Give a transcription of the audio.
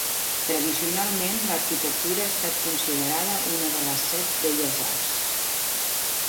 Tradicionalment, l'arquitectura ha estat considerada una de les set Belles Arts.